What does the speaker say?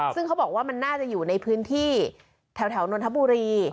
ซึ่งเขาบอกว่ามันน่าจะอยู่ในพื้นที่แถวนนทบุรี